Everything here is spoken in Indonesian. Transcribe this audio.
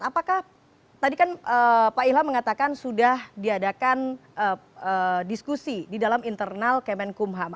apakah tadi kan pak ilham mengatakan sudah diadakan diskusi di dalam internal kemenkumham